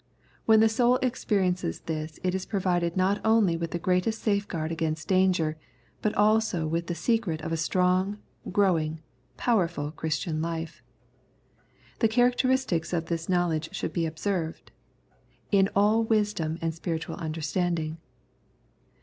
When the soul experiences this it is pro vided not only with the greatest safeguard against danger, but also with the secret of a strong, growing, powerful Christian life. The characteristics of this knowledge should be observed :" In all wisdom and spiritual understanding."